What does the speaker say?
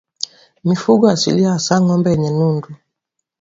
Mifugo asilia hasa ngombe wenye nundu